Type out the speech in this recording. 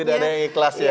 tidak ada yang ikhlas ya